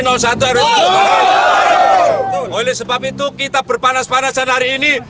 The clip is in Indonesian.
oleh sebab itu kita berpanas panasan hari ini